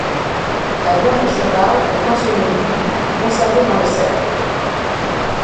La viande de cheval est consommée bouillie et conservée dans le sel.